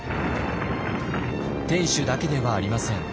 天守だけではありません。